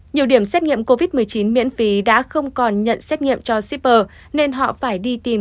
nhiều điểm xét nghiệm covid một mươi chín miễn phí đã không còn nhận xét nghiệm cho shipper nên họ phải đi tìm